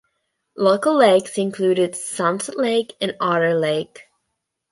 Local lakes include Sunset Lake and Otter Lake.